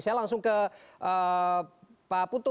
saya langsung ke pak putu